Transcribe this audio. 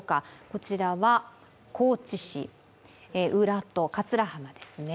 こちらは高知市浦戸桂浜ですね。